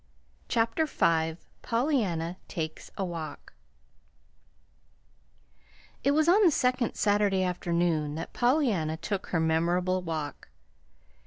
CHAPTER V POLLYANNA TAKES A WALK It was on the second Saturday afternoon that Pollyanna took her memorable walk.